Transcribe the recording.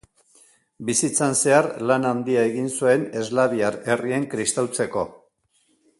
Bizitzan zehar lan handia egin zuen eslaviar herrien kristautzeko.